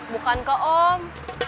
bukan ke om